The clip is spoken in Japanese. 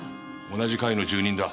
同じ階の住人だ。